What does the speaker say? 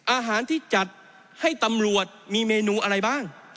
อาหารที่จัดให้ตำรวจมีเมนูอะไรบ้าง